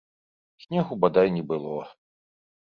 Снегу бадай не было.